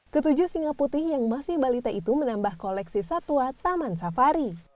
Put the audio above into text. ketujuh singa putih yang masih balita itu menambah koleksi satwa taman safari